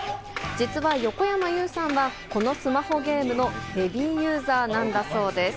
実は横山裕さんは、このスマホゲームのヘビーユーザーなんだそうです。